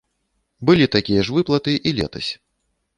Былі такія ж выплаты і летась.